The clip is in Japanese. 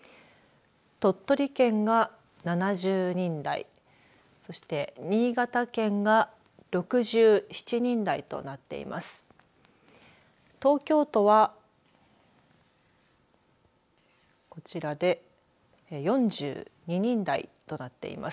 鳥取県が７０人台新潟県が６７人台となっています。